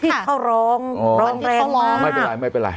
พี่เขาร้องร้องแรงมาก